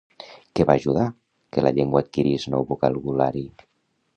Què va ajudar que la llengua adquirís nou vocabulari?